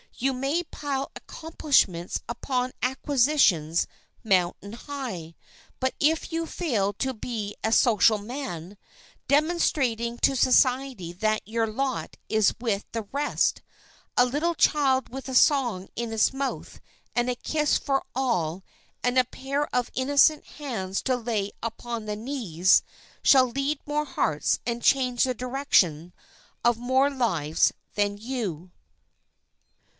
You may pile accomplishments upon acquisitions mountain high; but if you fail to be a social man, demonstrating to society that your lot is with the rest, a little child with a song in its mouth and a kiss for all and a pair of innocent hands to lay upon the knees shall lead more hearts and change the directions of more lives than you.